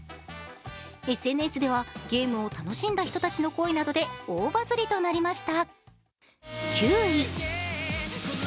ＳＮＳではゲームを楽しんだ人たちの声などで大バズリとなりました。